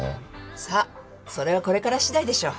さあそれはこれから次第でしょう。